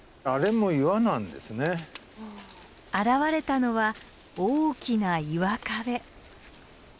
現れたのは大きな岩壁。